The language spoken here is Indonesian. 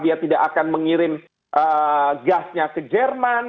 dia tidak akan mengirim gasnya ke jerman